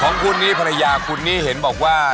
ของคุณนี้ภรรยาคุณนี้เห็นบอกว่า